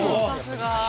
◆さすが。